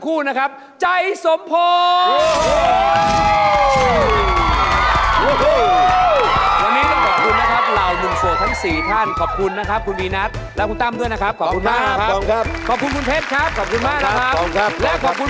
เราเป็นเพื่อนกัน